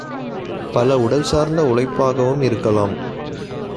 பல உடல் சார்ந்த உழைப்பாகவும் இருக்கலாம்.